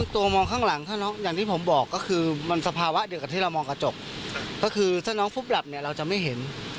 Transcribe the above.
ตัวมองข้างหลังถ้าน้องอย่างที่ผมบอกก็คือมันสภาวะเดียวกับที่เรามองกระจกก็คือถ้าน้องฟุบหลับเนี่ยเราจะไม่เห็น